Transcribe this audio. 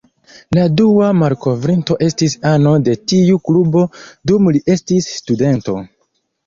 La dua malkovrinto estis ano de tiu klubo dum li estis studento.